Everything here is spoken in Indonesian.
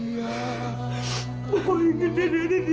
bapak ingin dendam di sini bu